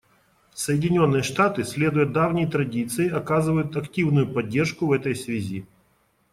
Соединенные Штаты, следуя давней традиции, оказывают активную поддержку в этой связи.